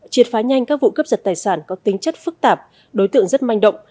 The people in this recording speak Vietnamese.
triệt phá nhanh các vụ cướp giật tài sản có tính chất phức tạp đối tượng rất manh động